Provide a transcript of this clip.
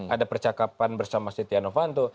ada percakapan bersama setia novanto